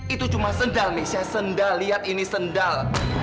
itu cuma sendal mesya sendal lihat ini sendal